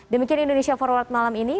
demikian indonesia forward malam ini